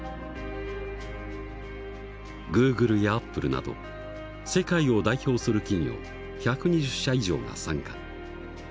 グーグルやアップルなど世界を代表する企業１２０社以上が参加。